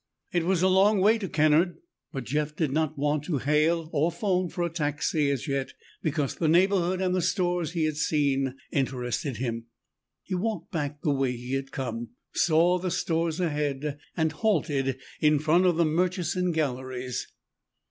It was a long way to the Kennard, but Jeff did not want to hail or phone for a taxi as yet because the neighborhood, and the stores he had seen, interested him. He walked back the way he had come, saw the stores ahead, and halted in front of the Murchison Galleries.